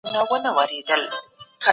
د حقوق الله ادا کول د بنده وجیبه ده.